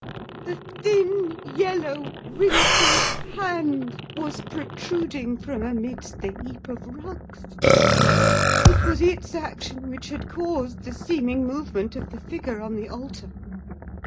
A thin, yellow, wrinkled hand was protruding from amidst the heap of rugs, it was its action which had caused the seeming movement of the figure on the altar.